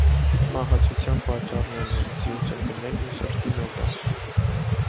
Մահացության պատճառներն է ձիուց ընկնելն ու սրտի նոպան։